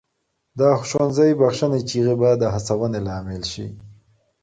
د ښوونځي بخښنې چیغې به د هڅونې لامل سي.